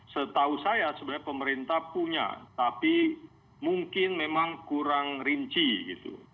setahu saya sebenarnya pemerintah punya tapi mungkin memang kurang rinci gitu